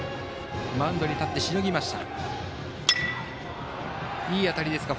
マウンドに立って、しのぎました。